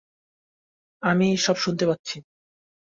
আমি সব শুনতে পাচ্ছি।